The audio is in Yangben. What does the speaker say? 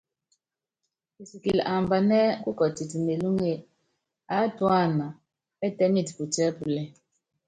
Kisikili ambanɛ́ kukɔtit mélúŋe, aátúana ɛ́tɛ́miti putiɛ́púlɛ.